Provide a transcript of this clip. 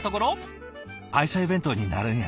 「愛妻弁当になるんやな。